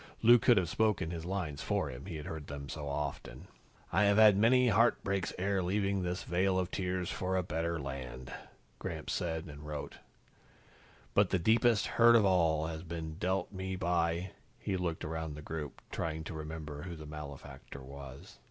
Lou could have spoken his lines for him, he had heard them so often. "I have had many heartbreaks ere leaving this vale of tears for a better land," Gramps said and wrote. "But the deepest hurt of all has been dealt me by " He looked around the group, trying to remember who the malefactor was.